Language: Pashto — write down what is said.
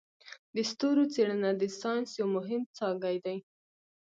د ستورو څیړنه د ساینس یو مهم څانګی دی.